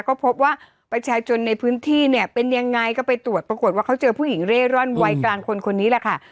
ก็พบว่าประชาชนในพื้นที่เนี่ยเป็นยังไงก็ไปตรวจปรากฏว่าเขาเจอผู้หญิงเร่ร่อนวัยกลางคนคนนี้แหละค่ะ